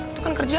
itu kan kerjaan